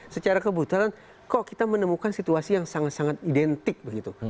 secara kebetulan kok kita menemukan situasi yang sangat sangat identik begitu